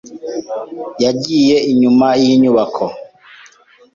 Yagiye inyuma yinyubako.